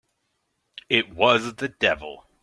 It was the devil!